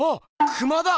クマだ！